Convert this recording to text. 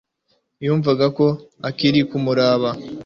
yumvaga ko akiri kumuraba